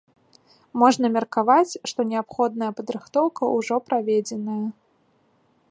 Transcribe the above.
Можна меркаваць, што неабходная падрыхтоўка ўжо праведзеная.